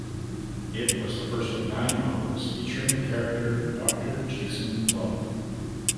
It was the first of nine novels featuring the character Doctor Jason Love.